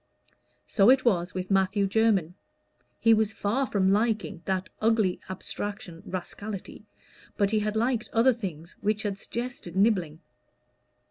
So it was with Matthew Jermyn. He was far from liking that ugly abstraction rascality, but he had liked other things which had suggested nibbling.